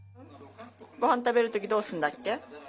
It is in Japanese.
ごはん食べるとき、どうすんだっけ？